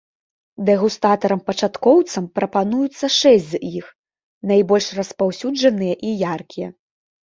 Дэгустатарам-пачаткоўцам прапануюцца шэсць з іх, найбольш распаўсюджаныя і яркія.